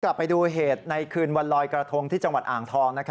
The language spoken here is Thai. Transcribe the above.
กลับไปดูเหตุในคืนวันลอยกระทงที่จังหวัดอ่างทอง